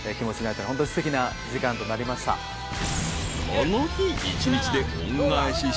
［この日］